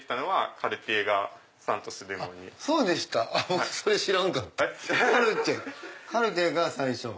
カルティエが最初。